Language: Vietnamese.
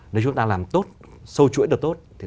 nếu chúng ta làm tốt sâu chuỗi được tốt